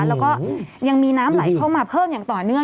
แล้วก็ยังมีน้ำไหลเข้ามาเพิ่มอย่างต่อเนื่อง